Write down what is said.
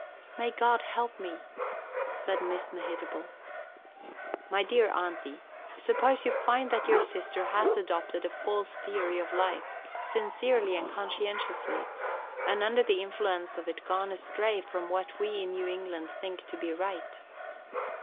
"May God help me!" said Miss Mehitable. "My dear Aunty, suppose you find that your sister has adopted a false theory of life, sincerely and conscientiously, and under the influence of it gone astray from what we in New England think to be right.